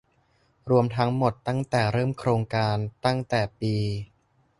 รวมทั้งหมดตั้งแต่เริ่มโครงการตั้งแต่ปี